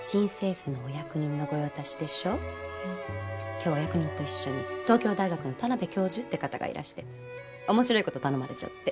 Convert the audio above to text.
今日お役人と一緒に東京大学の田邊教授って方がいらして面白いこと頼まれちゃって。